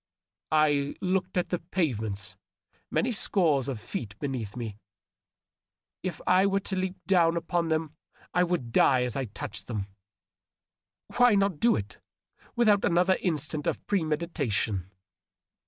I looked at the pavements, many scores of feet beneath me. If I were to leap down upon them I would die as I touched them. Why not do it, without another instant of premeditation